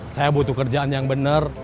saya butuh kerjaan yang benar